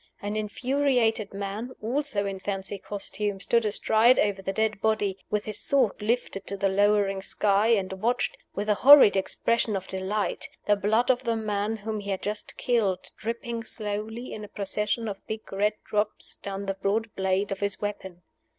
An infuriated man, also in fancy costume, stood astride over the dead body, with his sword lifted to the lowering sky, and watched, with a horrid expression of delight, the blood of the man whom he had just killed dripping slowly in a procession of big red drops down the broad blade of his weapon.